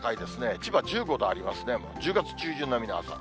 千葉１５度ありますね、１０月中旬並みの朝。